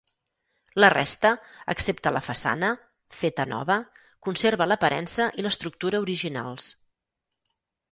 La resta, excepte la façana, feta nova, conserva l'aparença i l'estructura originals.